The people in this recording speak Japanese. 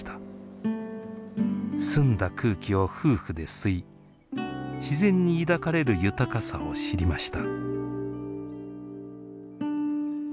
澄んだ空気を夫婦で吸い自然に抱かれる豊かさを知りました。